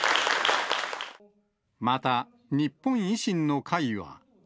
また、日本維新の会は。